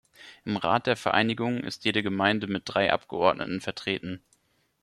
Im Rat der Vereinigung ist jede Gemeinde mit drei Abgeordneten vertreten.